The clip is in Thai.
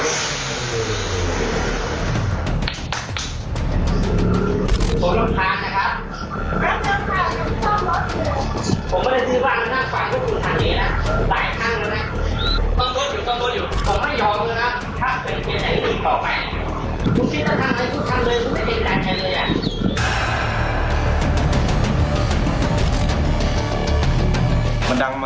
สุดท้ายค่ะ